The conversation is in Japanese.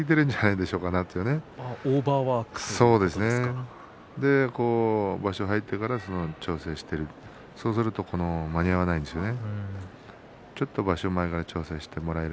ですから場所に入ってから調整している、そうすると間に合わないんですよね。